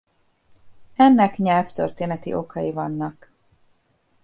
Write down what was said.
Ennek nyelvtörténeti okai vannak.